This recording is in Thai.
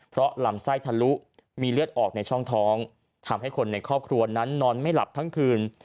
เพราะลำไส้ทะลุมีเลือดออกในช่องท้องทำให้คนในครอบครัวนั้นนอนไม่หลับทั้งคืน